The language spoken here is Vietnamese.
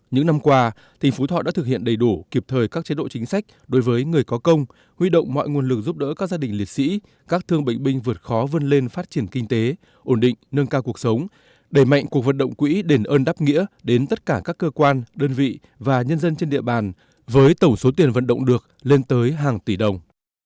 những năm qua tỉnh phú thọ đã thực hiện đầy đủ kịp thời các chế độ chính sách đối với người có công huy động mọi nguồn lực giúp đỡ các gia đình liệt sĩ các thương bệnh binh vượt khó vươn lên phát triển kinh tế ổn định nâng cao cuộc sống đẩy mạnh cuộc vận động quỹ đền ơn đáp nghĩa đến tất cả các cơ quan đơn vị và nhân dân trên địa bàn với tổng số tiền vận động được lên tới hàng tỷ đồng